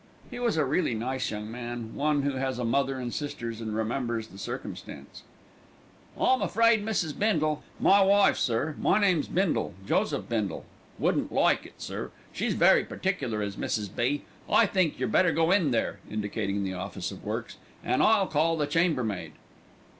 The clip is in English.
He was a really nice young man, one who has a mother and sisters and remembers the circumstance. "I'm afraid Mrs. Bindle my wife, sir, my name's Bindle, Joseph Bindle wouldn't like it, sir. She's very particular, is Mrs. B. I think yer'd better go in there," indicating the Office of Works, "an' I'll call the chambermaid."